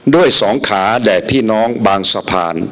ด้วยสองขาแดกพี่น้องบางสะพาน